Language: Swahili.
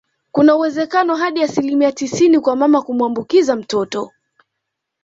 Kuna uwezekano hadi asilimia tisini kwa mama kumuambukiza mtoto